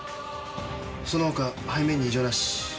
その他背面に異状なし。